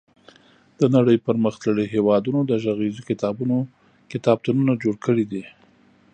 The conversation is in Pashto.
د نړۍ پرمختللي هېوادونو د غږیزو کتابونو کتابتونونه جوړ کړي دي.